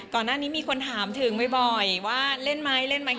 ก่อนหน้านี้มีคนถามถึงบ่อยว่าเล่นไหมเล่นไหม